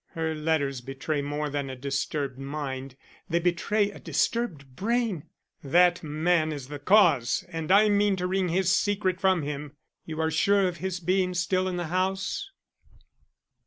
Her letters betray more than a disturbed mind; they betray a disturbed brain. That man is the cause and I mean to wring his secret from him. You are sure of his being still in the house?"